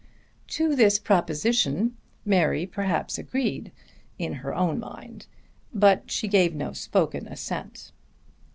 To this proposition Mary perhaps agreed in her own mind but she gave no spoken assent.